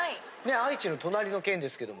愛知の隣の県ですけども。